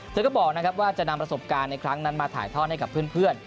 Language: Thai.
เธอก็บอกนะครับว่าจะนำประสบการณ์ในครั้งนั้นมาถ่ายทอดให้กับเพื่อน